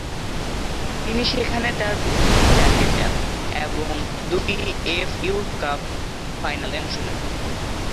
তিনি সেখানে তার উন্নতি চালিয়ে যান এবং দুটি এফএ ইয়ুথ কাপ ফাইনালে অংশ নেন।